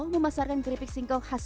memasarkan keripik singkong khas